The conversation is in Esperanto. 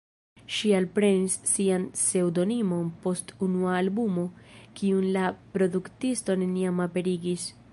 Ŝi alprenis sian pseŭdonimon post unua albumo kiun la produktisto neniam aperigis.